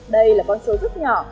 đây là con số rất nhỏ